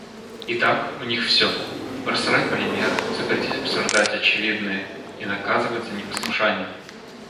И так у них всё: просрать полимеры, запретить обсуждать очевидное и наказывать за непослушание.